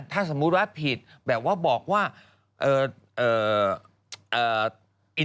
ถ้าสมมุติว่าผิดแบบว่าบอกว่าเอ่อเอ่อเอ่อ